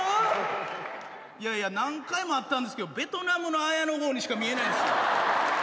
いやいや何回も会ったんすけどベトナムの綾野剛にしか見えないんす。